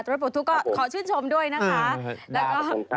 ตรวจประตูก็ขอชื่นชมด้วยนะคะ